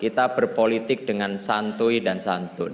kita berpolitik dengan santuy dan santun